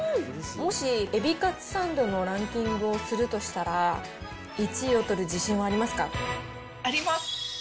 もしエビカツサンドのランキングをするとしたら、１位を取るあります。